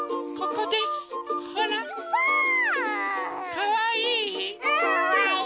かわいい！